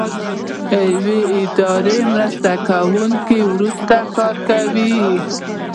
یو اداري مرسته کوونکی ورسره کار کوي.